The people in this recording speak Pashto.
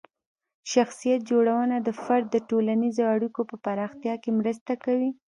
شخصیت جوړونه د فرد د ټولنیزې اړیکو په پراختیا کې مرسته کوي.